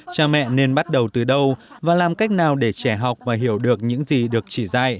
cha mẹ nên bắt đầu từ đâu và làm cách nào để trẻ học và hiểu được những gì được chỉ dạy